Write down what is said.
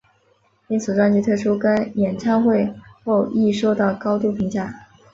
因此专辑推出跟演唱会后亦受到高度评价。